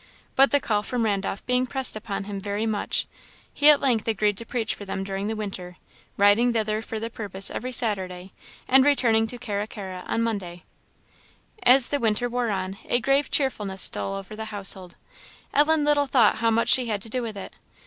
But the call from Randolph being pressed upon him very much, he at length agreed to preach for them during the winter; riding thither for the purpose every Saturday, and returning to Carra carra on Monday. As the winter wore one, a grave cheerfulness stole over the household. Ellen little thought how much she had to do with it.